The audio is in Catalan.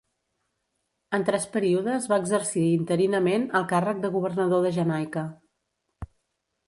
En tres períodes va exercir interinament el càrrec de governador de Jamaica.